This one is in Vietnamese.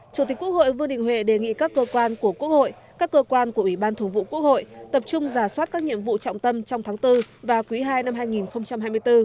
chủ tịch quốc hội vương đình huệ đề nghị các cơ quan của quốc hội các cơ quan của ủy ban thường vụ quốc hội tập trung giả soát các nhiệm vụ trọng tâm trong tháng bốn và quý ii năm hai nghìn hai mươi bốn